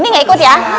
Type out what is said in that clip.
ini gak ikut ya